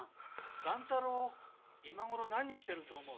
・乱太郎今ごろ何してると思う？